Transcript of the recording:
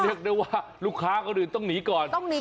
เรียกได้ว่าลูกค้าคนอื่นต้องหนีก่อน